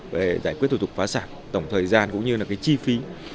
về giải quyết thủ tục phá sản tổng thời gian cũng như là cái chi phí